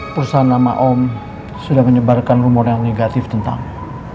perusahaan nama om sudah menyebarkan rumor yang negatif tentang